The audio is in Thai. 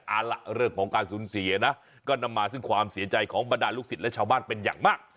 เอาล่ะเรื่องของการสูญเสียนะก็นำมาซึ่งความเสียใจของบรรดาลูกศิษย์และชาวบ้านเป็นอย่างมาก